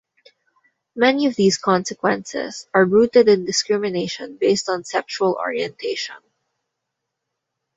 Many of these consequences are rooted in discrimination based on sexual orientation.